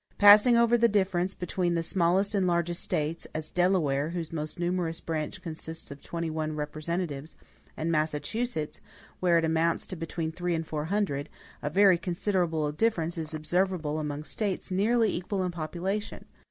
Passing over the difference between the smallest and largest States, as Delaware, whose most numerous branch consists of twenty one representatives, and Massachusetts, where it amounts to between three and four hundred, a very considerable difference is observable among States nearly equal in population.